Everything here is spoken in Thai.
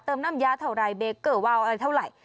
น้ำยาเท่าไรเบเกอร์วาวอะไรเท่าไหร่